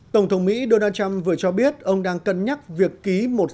tổng thống mỹ donald trump vừa cho biết ông đang cân nhắc việc ký một